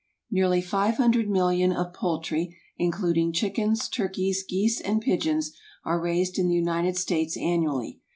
= Nearly 500,000,000 of poultry, including chickens, turkeys, geese, and pigeons, are raised in the United States annually.